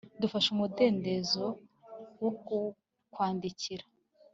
Dufashe umudendezo wo kukwandikira